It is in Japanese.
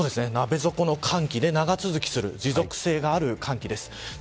鍋底の寒気で、長続きする持続性がある寒気です。